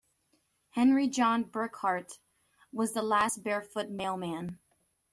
Henry John Burkhardt was the last barefoot mailmen.